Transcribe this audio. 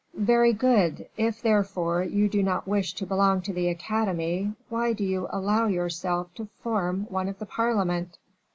"Very good; if, therefore, you do not wish to belong to the Academy, why do you allow yourself to form one of the parliament?"